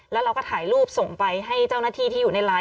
แล้วเราก็ถ่ายรูปส่งไปให้เจ้าหน้าที่ที่อยู่ในไลน์